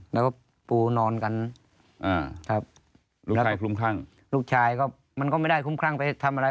แล้วก็ปูนอนกันอ่าครับลูกชายคลุมคลั่งลูกชายก็มันก็ไม่ได้คุ้มครั่งไปทำอะไร